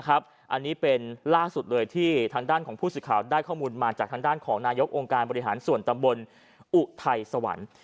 อันนี้เป็นล่าสุดเลยที่ทางด้านของผู้สื่อข่าวได้ข้อมูลมาจากทางด้านของนายกองค์การบริหารส่วนตำบลอุทัยสวรรค์